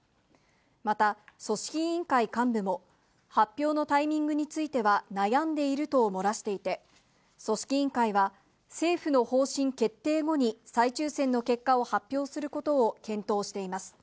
また、組織委員会幹部も、発表のタイミングについては悩んでいると漏らしていて、組織委員会は、政府の方針決定後に再抽せんの結果を発表することを検討しています。